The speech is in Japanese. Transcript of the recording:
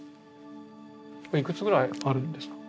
これいくつぐらいあるんですか？